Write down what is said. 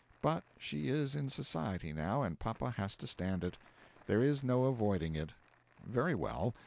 But she is in society now; and papa has to stand it. There is no avoiding it. Very well.